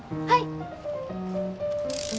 はい。